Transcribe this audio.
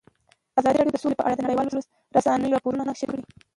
ازادي راډیو د سوله په اړه د نړیوالو رسنیو راپورونه شریک کړي.